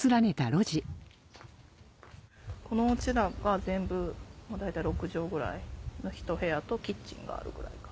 この家らが全部大体６畳ぐらいの一部屋とキッチンがあるくらい。